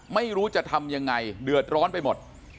ไม่รู้จะทำยังไงเดือดร้อนไปหมด